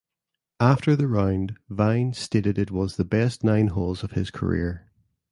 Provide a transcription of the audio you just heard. After the round Vines stated it was the best nine holes of his career.